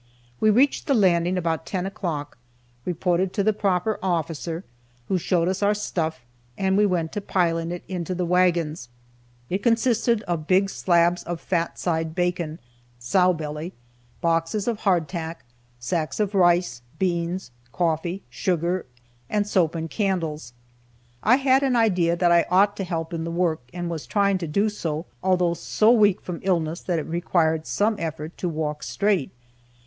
We reached the Landing about ten o'clock, reported to the proper officer, who showed us our stuff, and we went to piling it into the wagons. It consisted of big slabs of fat side bacon ("sow belly"), boxes of hardtack, sacks of rice, beans, coffee, sugar, and soap and candles. I had an idea that I ought to help in the work, and was trying to do so, altho so weak from illness that it required some effort to walk straight.